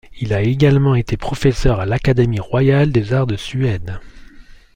Il a également été professeur à l’Académie royale des arts de Suède.